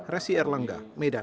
resi erlangga medan